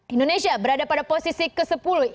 indonesia berada pada posisi ke sepuluh